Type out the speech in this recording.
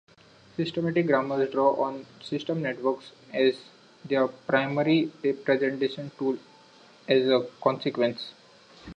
Systemic grammars draw on system networks as their primary representation tool as a consequence.